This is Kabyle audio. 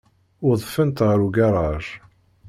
Udfent ɣer ugaṛaj.